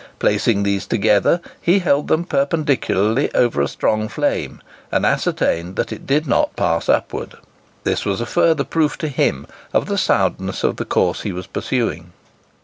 Placing these together, he held them perpendicularly over a strong flame, and ascertained that it did not pass upward. This was a further proof to him of the soundness of the course he was pursuing.